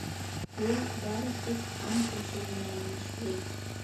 Ул бары тик һан ҡушыу менән мәшғүл.